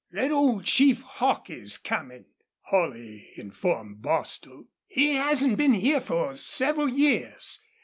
"Thet old chief, Hawk, is comin'," Holley informed Bostil. "He hasn't been here fer several years.